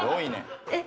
えっ？